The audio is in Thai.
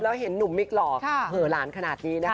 แล้วเห็นนุ่มมิคหรอกเผลอหลานขนาดนี้